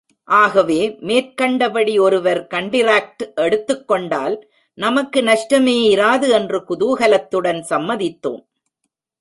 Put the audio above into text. ஆகவே மேற்கண்டபடி ஒருவர் கண்டிராக்ட் எடுத்துக்கொண்டால் நமக்கு நஷ்டமேயிராது என்று குதூஹலத்துடன் சம்மதித் தோம்.